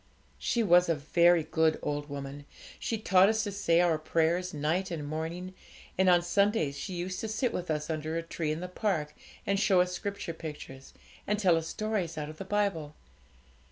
'She was a very good old woman; she taught us to say our prayers night and morning, and on Sundays she used to sit with us under a tree in the park, and show us Scripture pictures, and tell us stories out of the Bible.